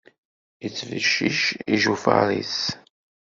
Ittbeccic ijufaṛ-is.